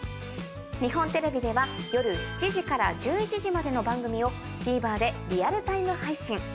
日本テレビでは夜７時から１１時までの番組をＴＶｅｒでリアルタイム配信。